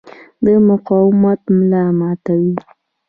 د مقاومت ملا ماتوي.